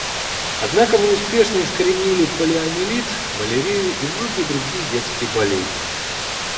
Однако мы успешно искоренили полиомиелит, малярию и многие другие детские болезни.